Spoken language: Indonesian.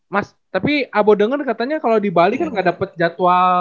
mas tapi abu denger katanya kalau di bali kan gak dapet jadwal